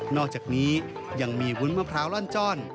อกจากนี้ยังมีวุ้นมะพร้าวร่อนจ้อน